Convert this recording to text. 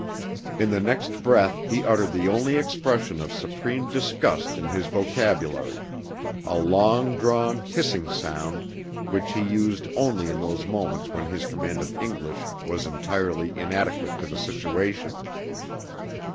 In the next breath he uttered the only expression of supreme disgust in his vocabulary a long drawn, hissing sound which he used only in those moments when his command of English was entirely inadequate to the situation.